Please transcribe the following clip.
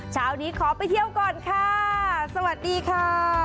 เช้านี้ขอไปเที่ยวก่อนค่ะสวัสดีค่ะ